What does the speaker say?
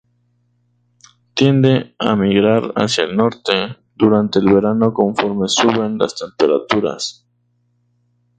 Tiende a migrar hacia el norte durante el verano conforme suben las temperaturas.